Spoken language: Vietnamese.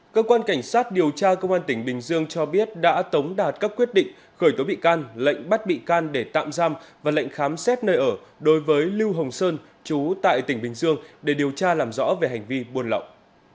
cơ quan cảnh sát điều tra công an tỉnh bình dương cho biết đã tống đạt các quyết định khởi tố bị can lệnh bắt bị can để tạm giam và lệnh khám xét nơi ở đối với lưu hồng sơn chú tại tỉnh bình dương để điều tra làm rõ về hành vi buôn lậu